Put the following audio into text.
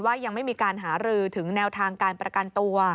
ยังไม่มีการหารือถึงแนวทางการประกันตัว